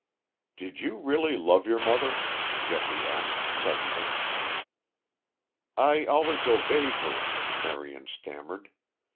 "Did you really love your mother?" Geoffrey asked suddenly. "I always obeyed her," Marion stammered.